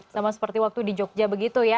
sama seperti waktu di jogja begitu ya